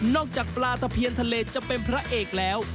จากปลาตะเพียนทะเลจะเป็นพระเอกแล้ว